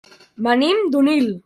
Venim d'Onil.